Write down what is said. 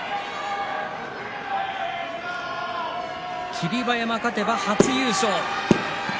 霧馬山が勝てば初優勝。